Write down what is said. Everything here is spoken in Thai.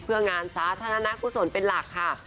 เพื่องานสาธารณกุศลเป็นหลักค่ะ